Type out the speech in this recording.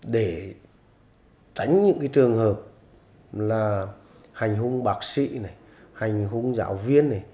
để tránh những trường hợp là hành hùng bác sĩ hành hùng giáo viên